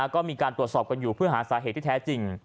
ก็มีการตรวจสอบกันอยู่เพื่อหาสาเหตุที่แท้จริง